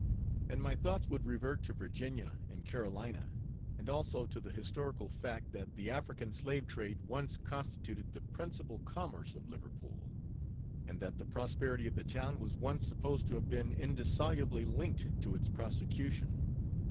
And my thoughts would revert to Virginia and Carolina; and also to the historical fact, that the African slave trade once constituted the principal commerce of Liverpool; and that the prosperity of the town was once supposed to have been indissolubly linked to its prosecution.